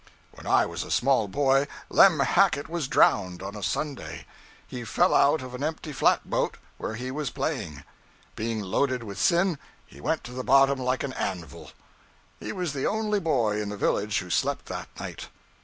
When I was a small boy, Lem Hackett was drowned on a Sunday. He fell out of an empty flat boat, where he was playing. Being loaded with sin, he went to the bottom like an anvil. He was the only boy in the village who slept that night.